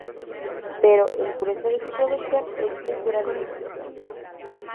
Pero el grueso de su producción es pintura religiosa.